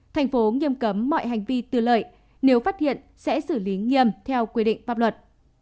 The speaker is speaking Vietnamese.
thành phố nghiêm cấm mọi hành vi tư lợi nếu phát hiện sẽ xử lý nghiêm theo quy định pháp luật